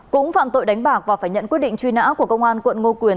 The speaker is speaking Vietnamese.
cũng phạm tội đánh bạc và phải nhận quyết định truy nã của công an quận ngô quyền